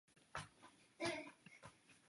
大都会铁路是世界首家修建地铁的公司。